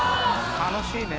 楽しいね。